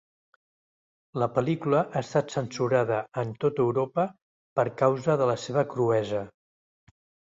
La pel·lícula ha estat censurada en tota Europa per causa de la seva cruesa.